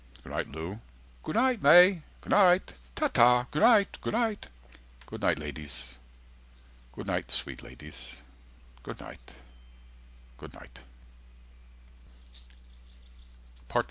Goonight Lou. Goonight May. Goonight. 170 Ta ta. Goonight. Goonight. Good night, ladies, good night, sweet ladies, good night, good night.